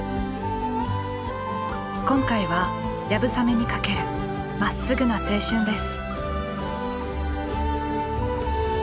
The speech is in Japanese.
今回は流鏑馬にかけるまっすぐな青春です。